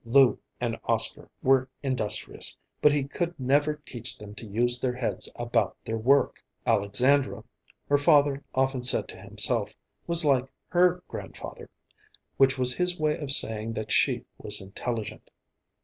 Lou and Oscar were industrious, but he could never teach them to use their heads about their work. Alexandra, her father often said to himself, was like her grandfather; which was his way of saying that she was intelligent.